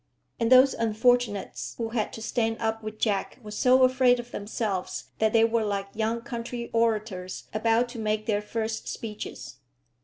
And those unfortunates who had to stand up with Jack were so afraid of themselves that they were like young country orators about to make their first speeches.